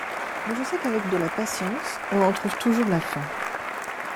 Mais je sais qu’avec de la patience on en trouve toujours la fin.